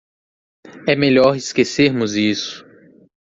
É melhor esquecermos isso.